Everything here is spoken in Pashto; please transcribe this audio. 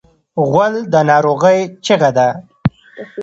غول د ناروغۍ چیغه ده.